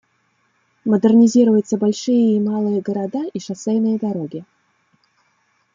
Модернизируются большие и малые города и шоссейные дороги.